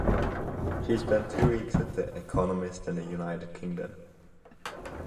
She spent two weeks at The Economist in the United Kingdom.